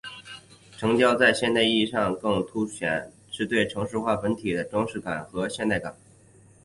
城雕在现代意义上更加凸显的是对于城市本体的装饰性和现代感。